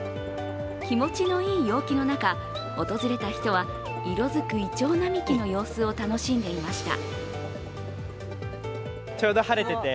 気持ちのいい陽気の中、訪れた人は色づくいちょう並木の様子を楽しんでいました。